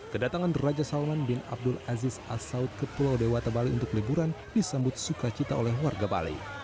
kedatangan raja salman bin abdul aziz al saud ke pulau dewata bali untuk liburan disambut sukacita oleh warga bali